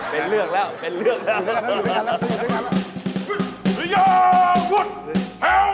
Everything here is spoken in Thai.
เป็นเรื่องแล้วเป็นเรื่องแล้ว